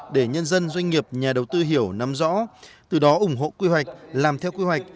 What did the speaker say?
để nhân dân doanh nghiệp nhà đầu tư hiểu nắm rõ từ đó ủng hộ quy hoạch làm theo quy hoạch